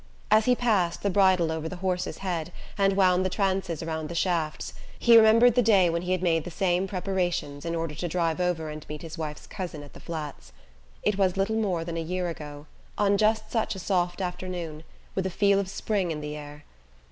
As he passed the bridle over the horse's head, and wound the traces around the shafts, he remembered the day when he had made the same preparations in order to drive over and meet his wife's cousin at the Flats. It was little more than a year ago, on just such a soft afternoon, with a "feel" of spring in the air.